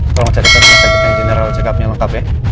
tolong cari rumah sakit yang general check up nya lengkap ya